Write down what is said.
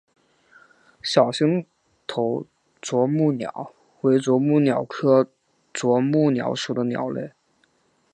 小星头啄木鸟为啄木鸟科啄木鸟属的鸟类。